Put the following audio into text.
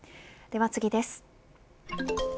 では次です。